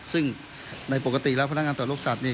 ซึ่งในปกติแล้วพนักงานต่อโรคศาสตร์นี่